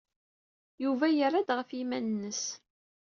Yuba yerra-d ɣef yiman-nnes.